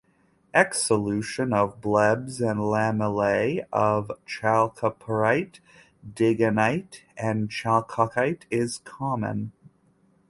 Exsolution of blebs and lamellae of chalcopyrite, digenite, and chalcocite is common.